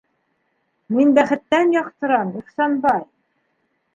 Мин бәхеттән яҡтырам, Ихсанбай!